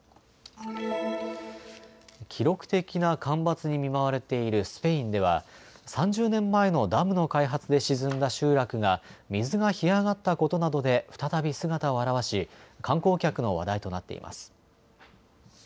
記録的な干ばつに見舞われているスペインでは３０年前のダムの開発で沈んだ集落が水が干上がったことなどで再び姿を現し観光客の話題となっています。